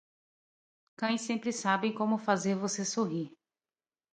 Cães sempre sabem como fazer você sorrir.